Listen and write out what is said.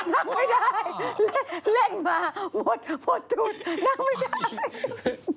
รับไม่ได้เล่นมาหมดหมดจุดนั่งไม่ได้